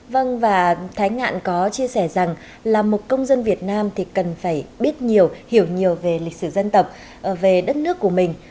vâng và thái ngạn có chia sẻ rằng là một công dân việt nam thì cần phải biết nhiều hiểu nhiều về lịch sử dân tộc về đất nước của mình